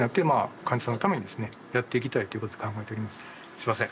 すいません。